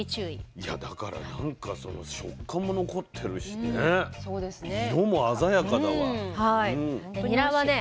いやだからなんかその食感も残ってるしね色も鮮やかだわ。